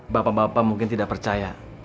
bapak bapak mungkin tidak percaya